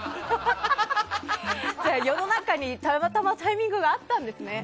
じゃあ世の中にたまたまタイミングが合ったんですね。